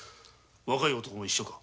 若い男も一緒か？